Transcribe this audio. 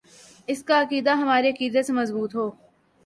اس کا عقیدہ ہمارے عقیدے سے مضبوط ہو